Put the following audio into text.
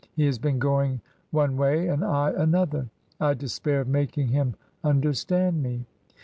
He has been going one way and I another. I despair of making him understand me."